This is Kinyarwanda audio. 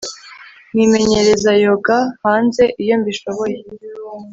Nimenyereza yoga hanze iyo mbishoboye